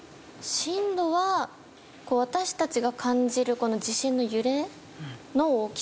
震度は私たちが感じる地震の揺れの大きさを表してるもの。